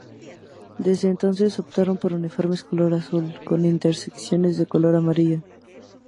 Desde entonces optaron por uniformes de color azul, con inserciones de color amarillo.